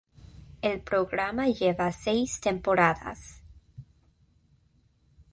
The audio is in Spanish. El programa lleva seis temporadas.